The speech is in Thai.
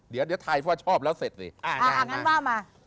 เดี๋ยวถ่ายว่าชอบแล้วเสร็จสิ